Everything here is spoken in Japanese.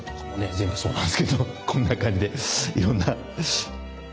全部そうなんですけどこんな感じでいろんな色が。